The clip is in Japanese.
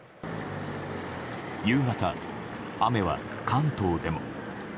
夕方、雨は関東でも。